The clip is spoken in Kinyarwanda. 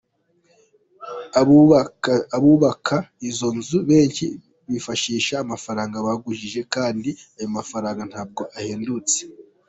Abubaka izo nzu benshi bifashisha amafaranga bagujije, kandi ayo mafaranga ntabwo ahendutse.